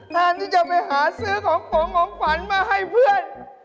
แทนที่จะไปหาซื้อของฝงของขวัญมาให้เพื่อน